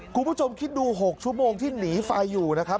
คุณผู้ชมคิดดู๖ชั่วโมงที่หนีไฟอยู่นะครับ